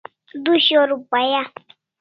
Du shor rupaya